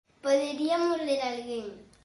Podería morrer alguén.